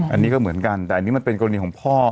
อันนี้ก็เหมือนกันแต่อันนี้มันเป็นกรณีของพ่อ